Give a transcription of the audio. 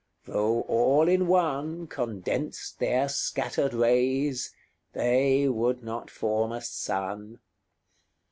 Though all in one Condensed their scattered rays, they would not form a sun.